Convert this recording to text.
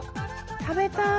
食べたい！